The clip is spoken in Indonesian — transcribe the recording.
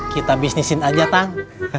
kita bisnisin aja tang